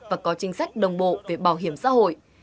và có chính sách đồng bộ về bảo hiểm xã hội